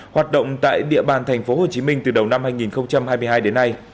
hoạt động tại địa bàn thành phố hồ chí minh từ đầu năm hai nghìn hai mươi hai đến nay